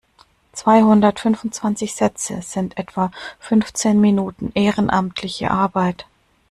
Zweihundertfünfundzwanzig Sätze sind etwa fünfzehn Minuten ehrenamtliche Arbeit.